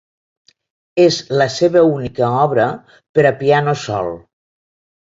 És la seva única obra per a piano sol.